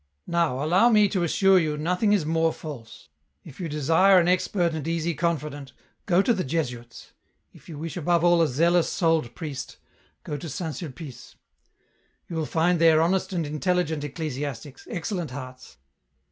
Now allow me to assure you nothing is more false. If you desire an expert and easy confidant, go to the Jesuits ; if you wish above all a zealous souled priest, go to St. Sulpice. " You will find there honest and intelligent ecclesiastics, excellent hearts.